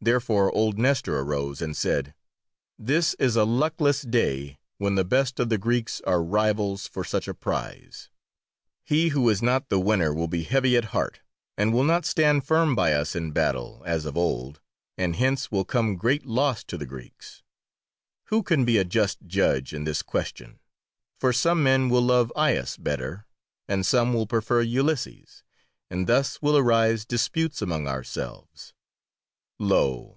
Therefore old Nestor arose and said: "This is a luckless day, when the best of the Greeks are rivals for such a prize. He who is not the winner will be heavy at heart, and will not stand firm by us in battle, as of old, and hence will come great loss to the Greeks. Who can be a just judge in this question, for some men will love Aias better, and some will prefer Ulysses, and thus will arise disputes among ourselves. Lo!